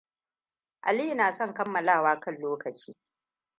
Aliyu na san kammalawa kan lokaci.